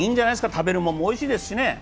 食べるものもおいしいですしね。